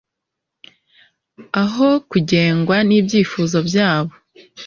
aho kugengwa nibyifuzo byabo